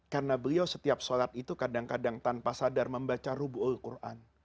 karena beliau setiap sholat itu kadang kadang tanpa sadar membaca rub'ul quran